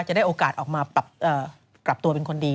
จะได้โอกาสออกมาปรับตัวเป็นคนดี